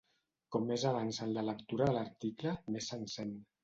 Com més avança en la lectura de l'article més s'encén.